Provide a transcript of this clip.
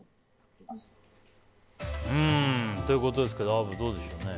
アブ、どうでしょうね。